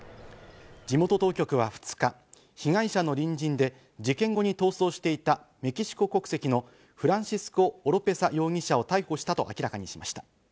地元当局は２日、被害者の隣人で、事件後に逃走していたメキシコ国籍のフランシスコ・オロペサ容疑者を逮捕したと明らかにしました。